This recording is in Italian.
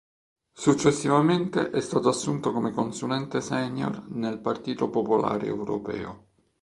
Successivamente è stato assunto come consulente senior nel Partito Popolare Europeo.